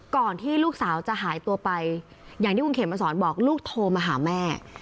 ก่อนที่ลูกสาวจะหายตัวไปอย่างที่คุณเขมมาสอนบอกลูกโทรมาหาแม่